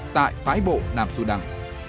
phái bộ nam xu đăng